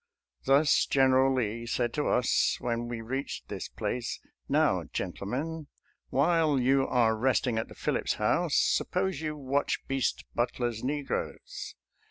Thus General Lee said to us when we reached this place, " Now, gentlemen, while you are resting at the Phillips House, suppose you watch Beast Butler's negroes."